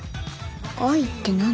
愛って何？